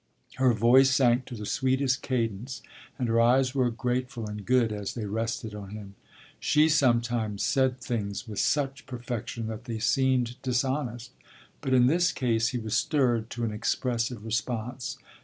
Her voice sank to the sweetest cadence and her eyes were grateful and good as they rested on him. She sometimes said things with such perfection that they seemed dishonest, but in this case he was stirred to an expressive response.